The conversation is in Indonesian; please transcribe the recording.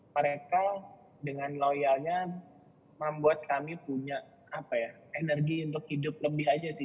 mereka dengan loyalnya membuat kami punya energi untuk hidup lebih aja sih